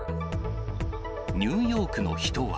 ニューヨークの人は。